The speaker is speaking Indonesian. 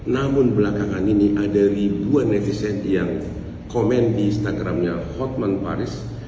namun belakangan ini ada ribuan netizen yang komen di instagramnya hotman paris